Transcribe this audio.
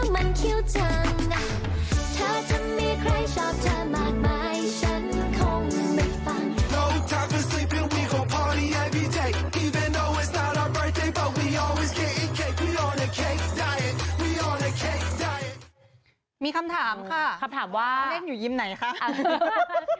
มีคำถามค่ะคำถามว่าเล่นอยู่ยิมไหนคะ